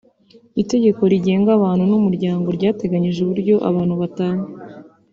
itegeko rigenga abantu n’umuryango ryateganyije uburyo abantu batana